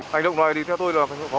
hành động này thì theo tôi là phá hoại